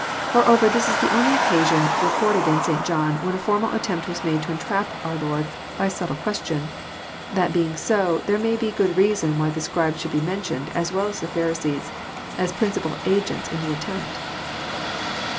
More* over, this is the only occasion recorded in St. John, when a formal attempt was made to entrap our Lord by a subtle ques tion. That being so, there may be a good reason why the Scribes should be mentioned as well as the Pharisees, as prin cipal agents in the attempt.